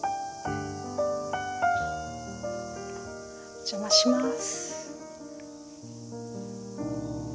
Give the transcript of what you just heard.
お邪魔します。